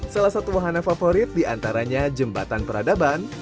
salah satu wahana favorit diantaranya jembatan peradaban